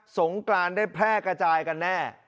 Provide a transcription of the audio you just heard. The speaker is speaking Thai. งกรานได้แพร่กระจายกันแน่